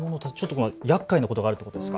やっかいなことがあるということですか。